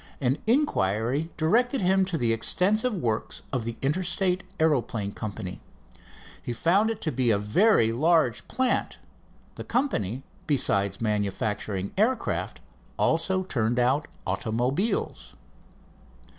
An inquiry directed him to the extensive works of the Interstate Aeroplane Company. He found it to be a very large plant. The company, besides manufacturing aircraft, also turned out automobiles.